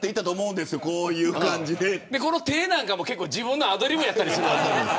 この手なんかも自分のアドリブやったりするし。